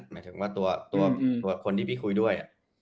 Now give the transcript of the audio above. หมายถึงว่าตัวคนที่พี่คุยด้วย